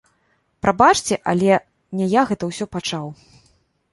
Прабачце, але не я гэта ўсё пачаў!